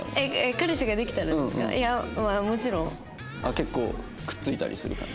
結構くっついたりする感じ？